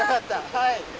はい。